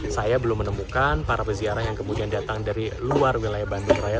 saya belum menemukan para peziarah yang kemudian datang dari luar wilayah bandung raya